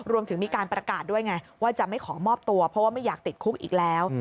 รวมถึงมีการประกาศด้วยไงว่าจะไม่ขอมอบตัวเพราะว่าไม่อยากติดคุกอีกแล้ว